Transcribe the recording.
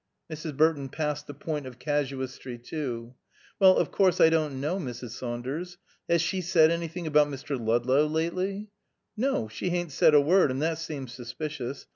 Mrs. Burton passed the point of casuistry too. "Well, of course I don't know, Mrs. Saunders. Has she said anything about Mr. Ludlow lately?" "No, she hain't said a word, and that seems suspicious.